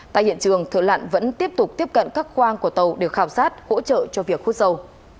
tại hiện trường thợ lặn vẫn tiếp tục tiếp cận các khoang của tàu để khảo sát hỗ trợ cho việc hút dầu